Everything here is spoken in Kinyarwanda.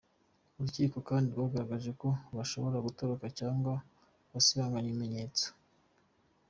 Urukiko kandi rwagaragaje ko bashobora gutoroka cyangwa gusibanganya ibimenyetso.